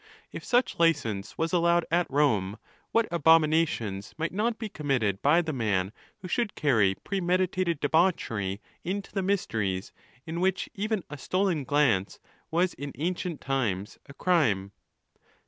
If such licence was allowed at Rome, what abominations might not be committed by the man who should carry premeditated debauchery into the mysteries, in which even a stolen glance was in ancient times a crime